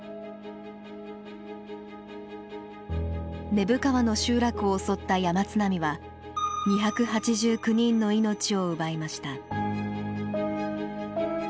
根府川の集落を襲った山津波は２８９人の命を奪いました。